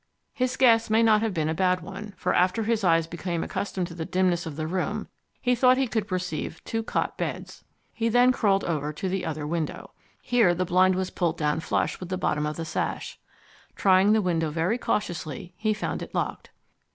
His guess may not have been a bad one, for after his eyes became accustomed to the dimness of the room he thought he could perceive two cot beds. He then crawled over to the other window. Here the blind was pulled down flush with the bottom of the sash. Trying the window very cautiously, he found it locked.